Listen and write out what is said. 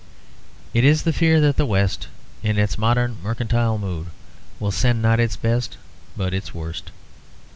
It is the fear that the West, in its modern mercantile mood, will send not its best but its worst.